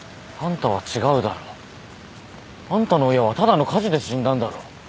あんたの親はただの火事で死んだんだろ？